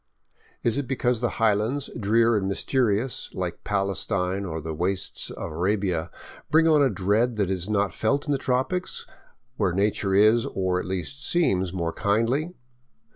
Is it because the highlands, drear and mysterious, like Palestine or the wastes of Arabia, bring on a dread that is not felt in the tropics, where nature is, or at least seems, more kindly?